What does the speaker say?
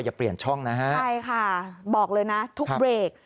อย่าเปลี่ยนช่องนะฮะใช่ค่ะบอกเลยนะทุกเบรก